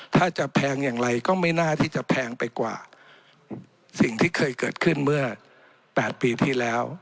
ถ้าจะแพงอย่างไรก็ไม่น่าที่จะแพงไปกว่าสิ่งที่เคยเกิดขึ้นเมื่อ๘ปีที่แล้ว